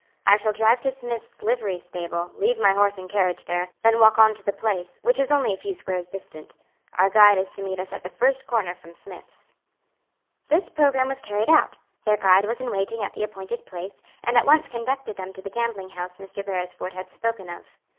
I shall drive to Smith's livery stable, leave my horse and carriage there, then walk on to the place, which is only a few squares distant. Our guide is to meet us at the first corner from Smith's." This programme was carried out, their guide was in waiting at the appointed place, and at once conducted them to the gambling house Mr. Beresford had spoken of.